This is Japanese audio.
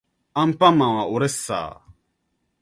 アンパンマンはおれっさー